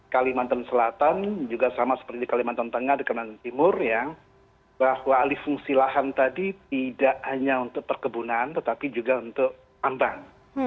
kalimantan selatan juga sama seperti di kalimantan tengah dan kalimantan timur ya bahwa alih fungsi lahan tadi tidak hanya untuk perkebunan tetapi juga untuk tambang